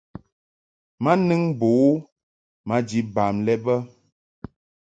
Ma nɨŋ bo u maji bam lɛ bə.